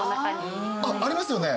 ありますよね。